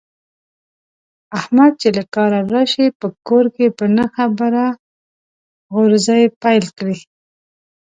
احمد چې له کاره راشي، په کور کې په نه خبره غورزی پیل کړي.